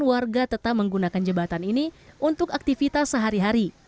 warga tetap menggunakan jembatan ini untuk aktivitas sehari hari